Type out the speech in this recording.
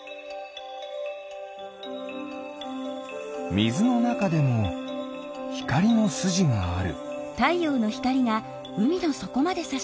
みずのなかでもひかりのすじがある。